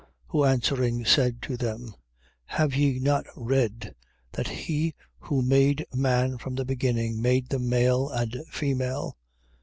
19:4. Who answering, said to them: Have ye not read, that he who made man from the beginning, made them male and female?